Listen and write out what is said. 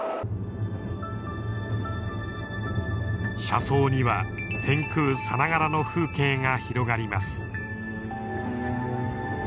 車窓には天空さながらの風景が広がります。